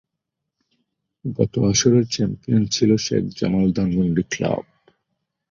গত আসরের চ্যাম্পিয়ন ছিল শেখ জামাল ধানমন্ডি ক্লাব।